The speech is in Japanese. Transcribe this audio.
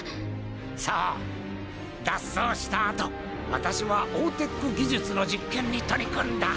そう脱走した後私はオーテック技術の実験に取り組んだ。